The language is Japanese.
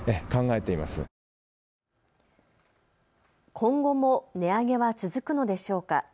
今後も値上げは続くのでしょうか。